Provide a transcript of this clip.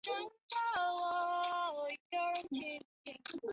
几内亚指西非几内亚湾沿岸地区。